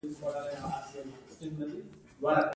دا دوره تر څلور سوه شپږ اویا پورې روانه وه.